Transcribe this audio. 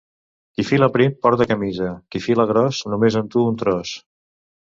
Qui fila prim porta camisa, qui fila gros només en duu un tros.